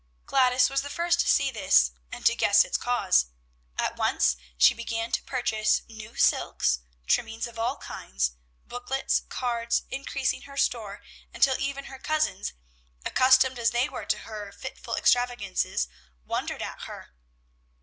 Gladys was the first to see this and to guess its cause. At once she began to purchase new silks, trimmings of all kinds, booklets, cards, increasing her store, until even her cousins, accustomed as they were to her fitful extravagances, wondered at her.